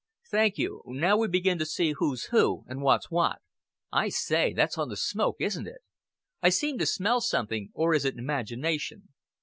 "Thank you. Now we begin to see who's who, and what's what. I say, that's on the smoke, isn't it? I seem to smell something, or is it imagination?